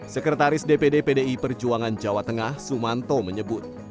sekretaris dpd pdi perjuangan jawa tengah sumanto menyebut